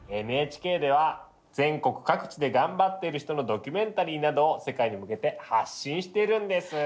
ＮＨＫでは全国各地で頑張ってる人のドキュメンタリーなどを世界に向けて発信しているんです。